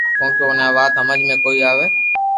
ڪونڪھ اوني آ وات ھمج ۾ ڪوئي آوي ھي